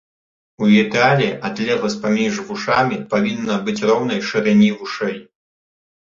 У ідэале адлегласць паміж вушамі павінна быць роўна шырыні вушэй.